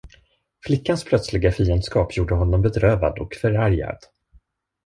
Flickans plötsliga fiendskap gjorde honom bedrövad och förargad.